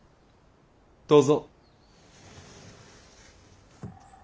どうぞ。